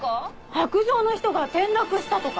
白杖の人が転落したとか。